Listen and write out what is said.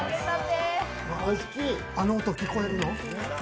あの音、聞こえるの？